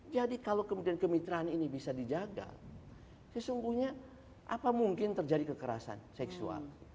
kalau kemudian kemitraan ini bisa dijaga sesungguhnya apa mungkin terjadi kekerasan seksual